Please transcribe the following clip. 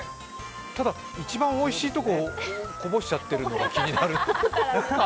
ただ一番おいしいとここぼしちゃってるのが気になる。